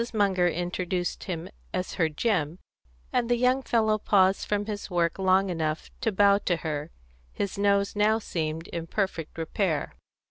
Munger introduced him as her Jim, and the young fellow paused from his work long enough to bow to her: his nose now seemed in perfect repair.